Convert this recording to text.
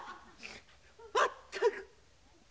まったく。